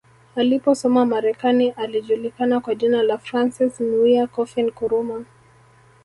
Aliposoma Marekani alijulikana kwa jina la Francis Nwia Kofi Nkrumah